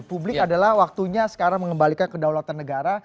publik adalah waktunya sekarang mengembalikan kedaulatan negara